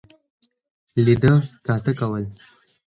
لیده کاته کول.